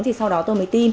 thì sau đó tôi mới tin